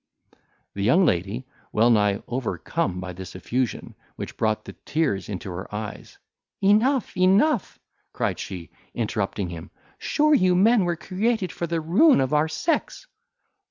The young lady, well nigh overcome by this effusion, which brought the tears into her eyes, "Enough, enough," cried she, interrupting him, "sure you men were created for the ruin of our sex."